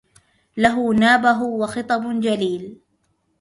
وله نابه وخطب جليل